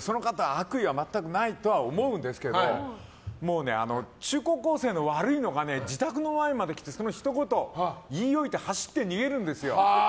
その方は悪意は全くないとは思うんですけどもうね、中高校生の悪いのが自宅の前まで来てひと言、言い置いて走って逃げるんですよ。